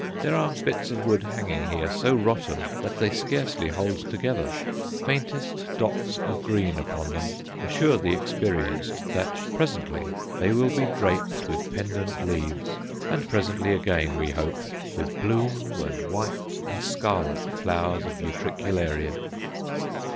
There are bits of wood hanging here so rotten that they scarcely hold together; faintest dots of green upon them assure the experienced that presently they will be draped with pendant leaves, and presently again, we hope, with blue and white and scarlet flowers of Utricularia.